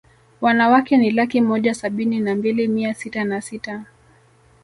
Wanawake ni laki moja sabini na mbili mia sita na sita